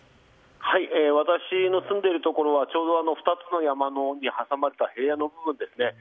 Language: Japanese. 私の住んでいるところはちょうど２つの山に挟まれた平野のほうですね。